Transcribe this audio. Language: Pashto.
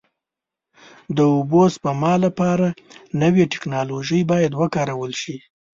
د اوبو سپما لپاره نوې ټکنالوژۍ باید وکارول شي.